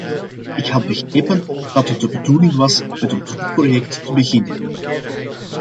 Ik had begrepen dat het de bedoeling was met een proefproject te beginnen.